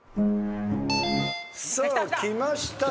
さあきました。